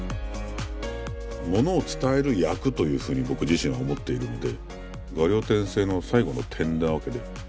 ものを伝える役というふうに僕自身は思っているので「画竜点睛」の最後の点なわけで。